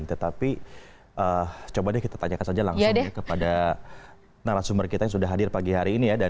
tapi coba kita tanyakan saja langsung kepada narasumber kita yang sudah hadir pagi hari ini